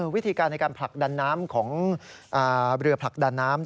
วิธีการในการผลักดันน้ำของเรือผลักดันน้ำ